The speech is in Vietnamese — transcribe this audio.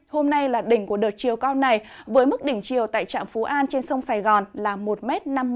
hôm nay là đỉnh của đợt chiều cao này với mức đỉnh chiều tại trạm phú an trên sông sài gòn là một năm mươi m